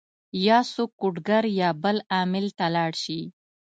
يا څوک کوډ ګر يا بل عامل له لاړ شي